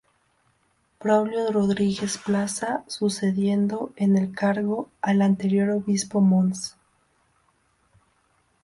Braulio Rodríguez Plaza, sucediendo en el cargo al anterior obispo mons.